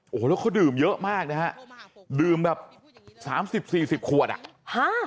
โอ้โหแล้วเขาดื่มเยอะมากนะฮะดื่มแบบสามสิบสี่สิบขวดอ่ะฮะ